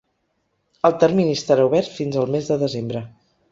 El termini estarà obert fins al mes de desembre.